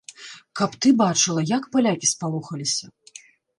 Каб ты бачыла, як палякі спалохаліся?